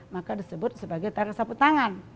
maka disebut sebagai tanda sapu tangan